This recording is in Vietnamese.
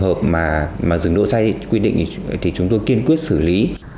trường hợp mà dừng đỗ sai quy định thì chúng tôi kiên quyết xử lý